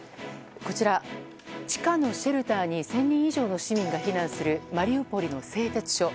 こちら、地下のシェルターに１０００人以上の市民が避難するマリウポリの製鉄所。